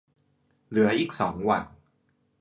เหลืออีกสองวัน